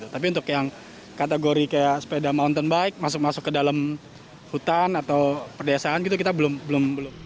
tapi untuk yang kategori kayak sepeda mountain bike masuk masuk ke dalam hutan atau perdesaan gitu kita belum belum